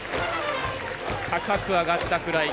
高く上がったフライ。